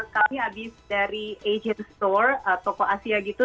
kami habis dari asian store toko asia gitu